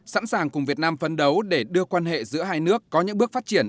sẵn sàng cùng việt nam phấn đấu để đưa quan hệ giữa hai nước có những bước phát triển